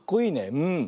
うん。